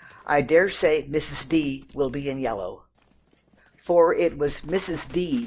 I dare say Mrs. D. will be in yellow." For it was "Mrs. D."